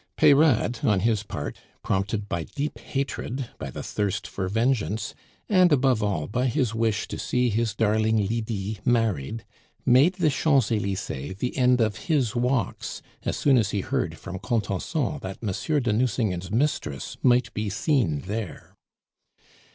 Peyrade, on his part, prompted by deep hatred, by the thirst for vengeance, and, above all, by his wish to see his darling Lydie married, made the Champs Elysees the end of his walks as soon as he heard from Contenson that Monsieur de Nucingen's mistress might be seen there.